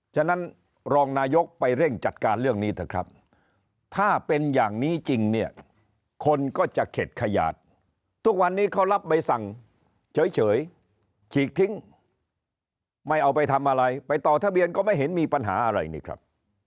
ฉะนั้นรองนายกไปเร่งจัดการเรื่องนี้เถอะครับถ้าเป็นอย่างนี้จริงเนี่ยคนก็จะเข็ดขยาดทุกวันนี้เขารับใบสั่งเฉยฉีกทิ้งไม่เอาไปทำอะไรไปต่อทะเบียนก็ไม่เห็นมีปัญหาอะไรนี่ครับ